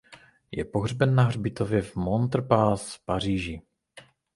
Je pohřben na hřbitově Montparnasse v Paříži.